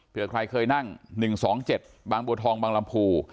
เพื่อใครเคยนั่งหนึ่งสองเจ็ดบางบัวทองบางลำภู